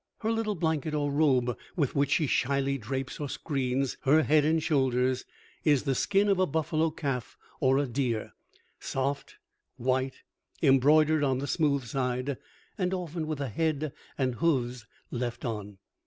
Her little blanket or robe, with which she shyly drapes or screens her head and shoulders, is the skin of a buffalo calf or a deer, soft, white, embroidered on the smooth side, and often with the head and hoofs left on.